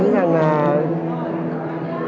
thật sự là không nghĩ